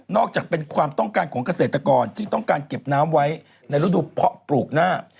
อกจากเป็นความต้องการของเกษตรกรที่ต้องการเก็บน้ำไว้ในฤดูเพาะปลูกหน้า